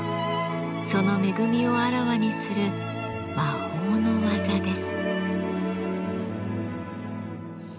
その恵みをあらわにする魔法の技です。